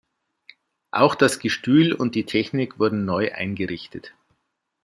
Auch das Gestühl und die Technik wurden neu eingerichtet.